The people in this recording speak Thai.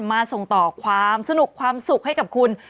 มาส่งต่อความสนุกความสุขให้กับคุณ